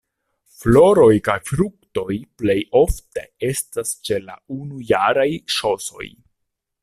Floroj kaj fruktoj plej ofte estas ĉe la unujaraj ŝosoj.